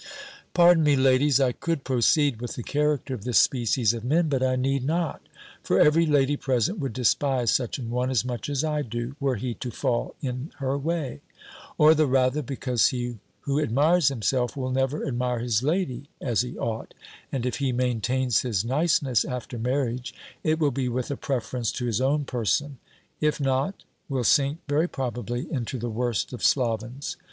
"Pardon me, ladies; I could proceed with the character of this species of men, but I need not; for every lady present would despise such an one, as much as I do, were he to fall in her way: or the rather, because he who admires himself, will never admire his lady as he ought; and if he maintains his niceness after marriage, it will be with a preference to his own person; if not, will sink, very probably, into the worst of slovens.